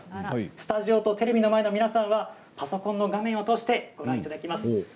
スタジオとテレビの前の皆さんはパソコンの画面を通してご覧いただきます。